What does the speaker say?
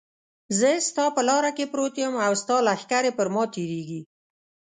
زه ستا په لاره کې پروت یم او ستا لښکرې پر ما تېرېږي.